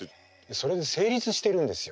それで成立してるんですよ。